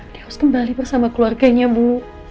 dia harus kembali bersama keluarganya bu